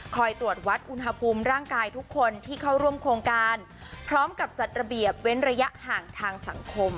ตรวจวัดอุณหภูมิร่างกายทุกคนที่เข้าร่วมโครงการพร้อมกับจัดระเบียบเว้นระยะห่างทางสังคม